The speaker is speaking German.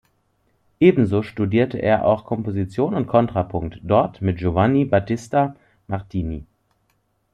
Ebenso studierte er auch Komposition und Kontrapunkt, dort mit Giovanni Battista Martini.